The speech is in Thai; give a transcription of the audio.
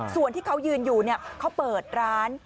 ส่วนที่เขายืนอยู่เขาเปิดร้าน